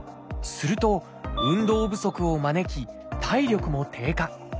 すると運動不足を招き体力も低下。